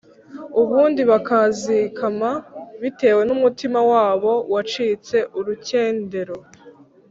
ubundi bakazikama bitewe n’umutima wabo wacitse urukendero,